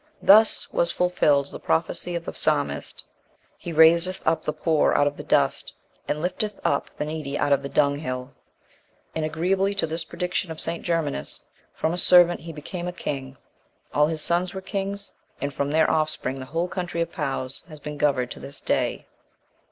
Thus was fulfilled the prophecy of the Psalmist: "He raiseth up the poor out of the dust, and lifteth up the needy out of the dunghill." And agreeably to the prediction of St. Germanus, from a servant he became a king: all his sons were kings, and from their offspring the whole country of Powys has been governed to this day.